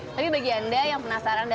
tapi bagi anda yang penasaran